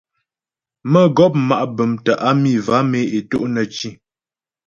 Mə́gɔp ma' bəm tə́ á mi vam e é to' nə́ tî.